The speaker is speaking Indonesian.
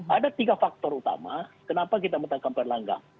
ada tiga faktor utama kenapa kita menetapkan pak erlangga